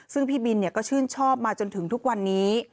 ซึ่งพี่บินก็ชื่นชอบมาจนถึงทุกวันนี้